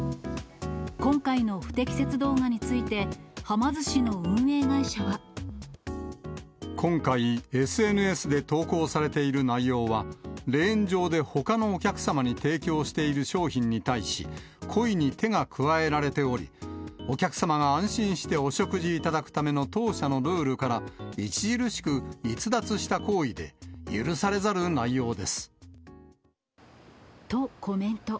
今回の不適切動画について、今回、ＳＮＳで投稿されている内容は、レーン上でほかのお客様に提供している商品に対し、故意に手が加えられており、お客さまが安心してお食事いただくための当社のルールから、著しく逸脱した行為で、許されざる内容です。と、コメント。